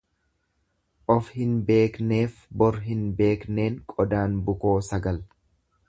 Of hin beekneefi bor hin beekneen qodaan bukoo sagal.